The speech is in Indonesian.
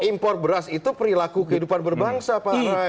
impor beras itu perilaku kehidupan berbangsa pak